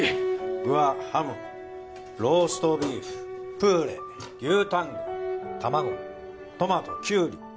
具はハムローストビーフプーレ牛タング卵トマトキュウリ